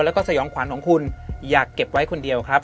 แล้วก็สยองขวัญของคุณอยากเก็บไว้คนเดียวครับ